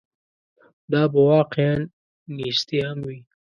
دا به واقعاً نیستي هم وي.